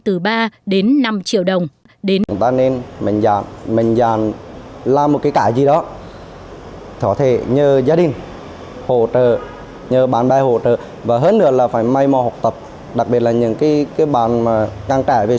từ ba đến năm triệu đồng